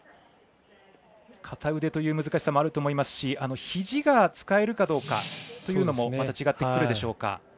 片腕という難しさもあると思いますしひじが使えるかどうかというのもまた違ってくるでしょうか。